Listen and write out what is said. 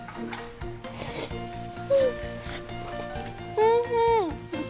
おいしい。